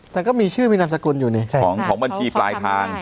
แต่ก็มีชื่อมีนามสกุลอยู่ในของบัญชีปลายทาง